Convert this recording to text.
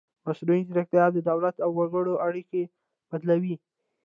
مصنوعي ځیرکتیا د دولت او وګړي اړیکه بدلوي.